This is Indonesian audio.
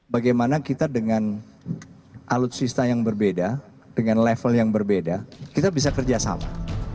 bagaimana kita dengan alutsista yang berbeda dengan level yang berbeda kita bisa kerjasama